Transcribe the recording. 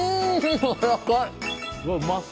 やわらかい！